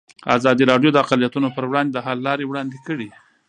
ازادي راډیو د اقلیتونه پر وړاندې د حل لارې وړاندې کړي.